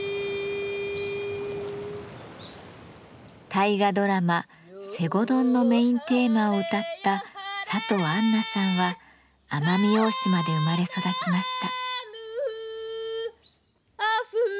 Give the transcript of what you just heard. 大河ドラマ「西郷どん」のメインテーマを歌った里アンナさんは奄美大島で生まれ育ちました。